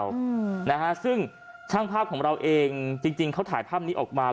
อืมนะฮะซึ่งช่างภาพของเราเองจริงจริงเขาถ่ายภาพนี้ออกมา